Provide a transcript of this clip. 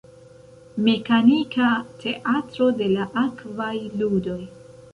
Mekanika teatro de la Akvaj Ludoj.